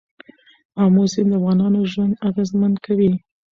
آمو سیند د افغانانو ژوند اغېزمن کوي.